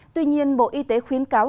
tuy nhiên bộ y tế khuyến cáo